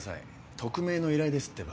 匿名の依頼ですってば。